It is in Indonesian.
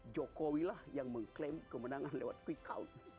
jokowi lah yang mengklaim kemenangan lewat quick count